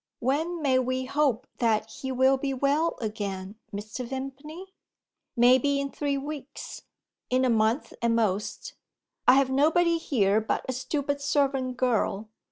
"When may we hope that he will be well again, Mr. Vimpany?" "Maybe in three weeks. In a month at most. I have nobody here but a stupid servant girl.